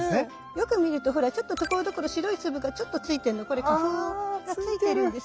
よく見るとほらちょっとところどころ白い粒がちょっとついてんのこれ花粉ついてるんです。